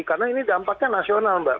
karena ini dampaknya nasional mbak